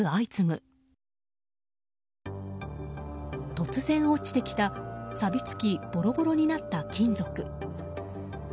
突然落ちてきたさびつきボロボロになった金属。